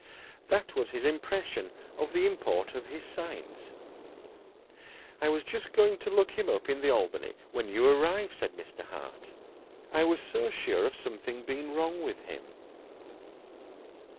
That was his impression of the import of his signs. "I was just going to look him up in the Albany when you arrived," said Mr. Hart. "I was so sure of something being wrong with him."